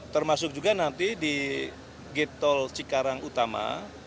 termasuk juga nanti di gate tol cikarang utama